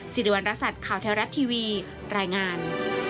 สิริวัณรักษัตริย์ข่าวแท้รัฐทีวีรายงาน